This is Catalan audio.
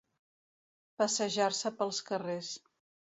Passejar-se pels carrers.